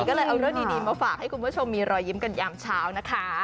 ก็เลยเอาเรื่องดีมาฝากให้คุณผู้ชมมีรอยยิ้มกันยามเช้านะคะ